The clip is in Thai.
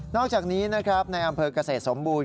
อกจากนี้นะครับในอำเภอกเกษตรสมบูรณ